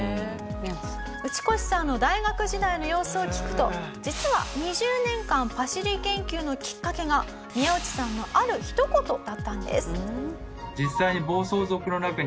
ウチコシさんの大学時代の様子を聞くと実は２０年間パシリ研究のきっかけが宮内さんのあるひと言だったんです。